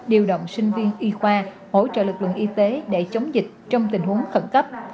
điều động sinh viên y khoa hỗ trợ lực lượng y tế để chống dịch trong tình huống khẩn cấp